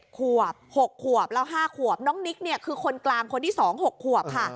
๗ควบ๖ควบแล้ว๕ควบน้องนิกคือคนกลางคนที่๒๖ควบค่ะ